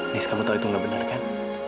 mis kamu tau itu gak bener kan